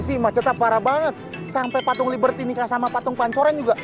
masih macetnya parah banget sampai patung liberty nikah sama patung pancoran juga